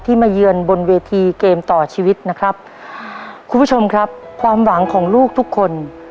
มาเยือนบนเวทีเกมต่อชีวิตนะครับคุณผู้ชมครับความหวังของลูกทุกคน